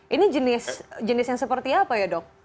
ini jenis jenis yang seperti apa ya dok